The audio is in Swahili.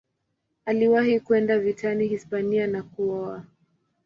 Aliwahi kwenda vitani Hispania na kuoa.